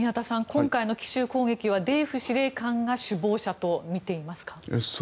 今回の奇襲攻撃はデイフ司令官が首謀者とみていますか？